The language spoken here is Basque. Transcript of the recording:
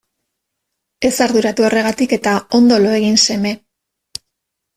Ez arduratu horregatik eta ondo lo egin seme.